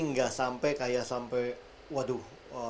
nggak sampai kayak sampai waduh